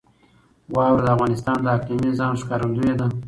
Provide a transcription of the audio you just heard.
واوره د افغانستان د اقلیمي نظام ښکارندوی ده.